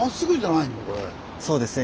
そうですね